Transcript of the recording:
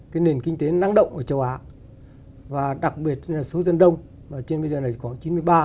cái nền kinh tế năng động ở châu á và đặc biệt là số dân đông trên bây giờ này có chín mươi ba